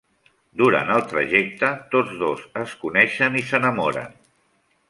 Durant el trajecte, tots dos es coneixen i s'enamoren.